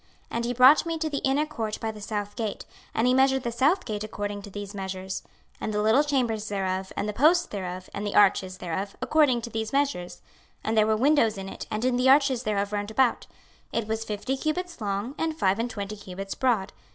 26:040:028 And he brought me to the inner court by the south gate: and he measured the south gate according to these measures; 26:040:029 And the little chambers thereof, and the posts thereof, and the arches thereof, according to these measures: and there were windows in it and in the arches thereof round about: it was fifty cubits long, and five and twenty cubits broad.